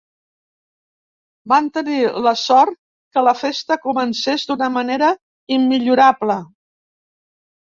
Van tenir la sort que la festa comencés d'una manera immillorable.